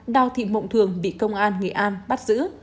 đào thị mộng thường bị công an nghệ an bắt giữ